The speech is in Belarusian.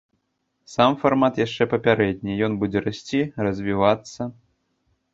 Сам фармат яшчэ папярэдні, ён будзе расці, развівацца.